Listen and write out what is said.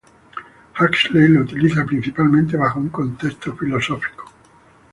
Huxley lo utiliza principalmente bajo un contexto filosófico.